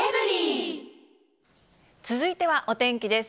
続いてはお天気です。